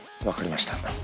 わかりました。